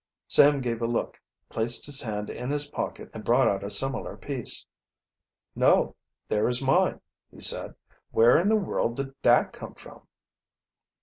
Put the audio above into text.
Sam gave a look, placed his hand in his pocket and brought out a similar piece. "No, there is mine," he said. "Where in the world did that come from?"